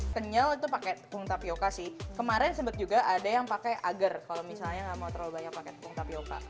kenyal itu pakai tepung tapioca sih kemarin sempat juga ada yang pakai agar kalau misalnya nggak mau terlalu banyak pakai tepung tapioca